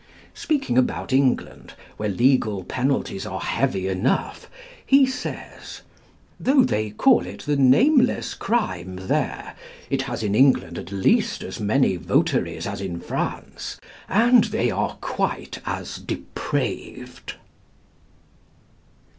Speaking about England, where legal penalties are heavy enough, he says; "Though they call it the nameless crime there, it has in England at least as many votaries as in France, and they are quite as depraved."